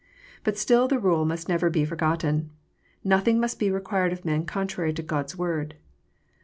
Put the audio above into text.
But still the rule must never be for gotten :" Nothing must be required of men contrary to God s Word."